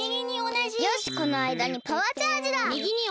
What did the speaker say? よしこのあいだにパワーチャージだ！